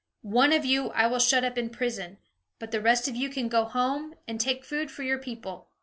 One of you I will shut up in prison; but the rest of you can go home and take food for your people.